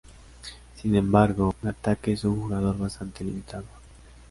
Sin embargo, en ataque es un jugador bastante limitado.